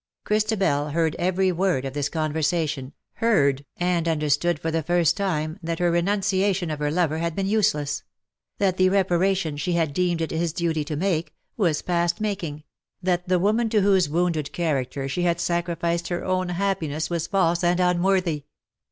Christabel heard every word of this conversation, heard and understood for the first time that her renunciation of her lover had been useless — that the reparation she had deemed it his duty to make, was past making — that the woman to whose wounded character she had sacrificed her own happiness ^^ NOT THE GODS CAN SHAKE THE PAST." 145 was false and unworthy.